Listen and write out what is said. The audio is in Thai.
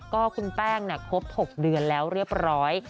ก็คุณแป้งครบ๖เดือนแล้วเรียบร้อย